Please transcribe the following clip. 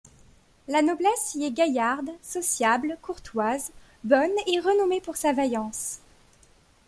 La noblesse y est gaillarde, sociable, courtoise, bonne et renommée pour sa vaillance.